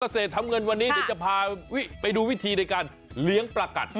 เกษตรทำเงินวันนี้จะพาไปดูวิธีในการเลี้ยงประกัด